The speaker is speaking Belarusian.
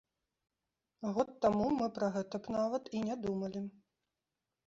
Год таму мы пра гэта б нават і не думалі.